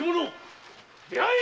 出会え！